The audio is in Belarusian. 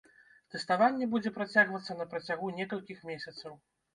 Тэставанне будзе працягвацца на працягу некалькіх месяцаў.